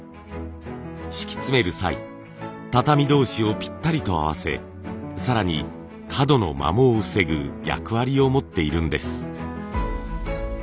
敷き詰める際畳同士をぴったりと合わせ更に角の摩耗を防ぐ役割を持っているんです。